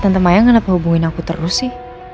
tante mayang kenapa hubungin aku terus sih